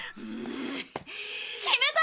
決めた！